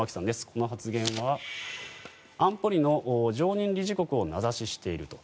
この発言は安保理の常任理事国を名指ししていると。